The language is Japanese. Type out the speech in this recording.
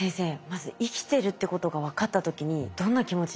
まず生きてるってことがわかった時にどんな気持ちになりました？